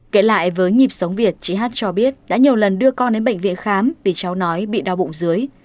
kể lại với nhịp sống việt chị hát cho biết đã nhiều lần đưa con đến bệnh viện khám vì cháu nói bị đau bụng dưới